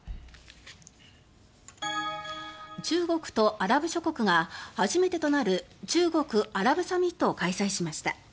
中国とアラブ諸国が初めてとなる中国・アラブサミットを開催しました。